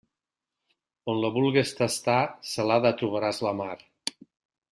On la vulgues tastar, salada trobaràs la mar.